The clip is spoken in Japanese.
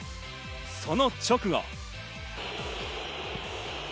その直後。